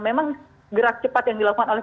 memang gerak cepat yang dilakukan oleh